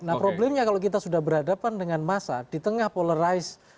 nah problemnya kalau kita sudah berhadapan dengan massa di tengah polarize